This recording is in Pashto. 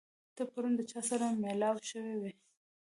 ته پرون د چا سره مېلاو شوی وې؟